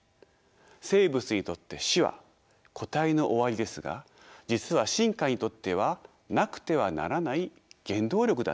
生物にとって死は個体の終わりですが実は進化にとってはなくてはならない原動力だったのです。